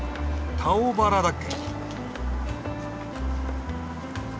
「タオバラ」だっけ。